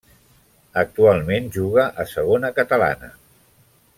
Actualment juga a Segona Catalana.